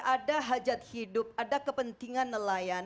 ada hajat hidup ada kepentingan nelayan